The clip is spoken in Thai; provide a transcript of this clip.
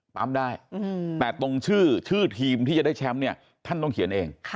ปั๊มได้แต่ตรงชื่อทีมที่จะได้แชมป์เนี่ยท่านต้องเขียนเอง